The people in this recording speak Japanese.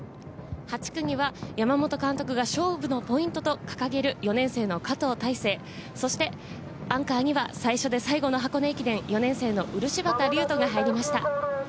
８区には山本監督が勝負のポイントと掲げる４年生の加藤大誠、そしてアンカーには最初で最後の箱根駅伝、４年生の漆畑瑠人が入りました。